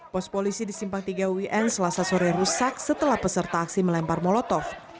pos polisi di simpang tiga un selasa sore rusak setelah peserta aksi melempar molotov